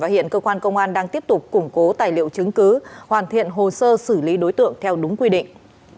hiện cơ quan công an đang tiếp tục củng cố tài liệu chứng cứ hoàn thiện hồ sơ xử lý đối tượng theo đúng quy định